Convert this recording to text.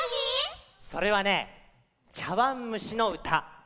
それはね「ちゃわんむしのうた」。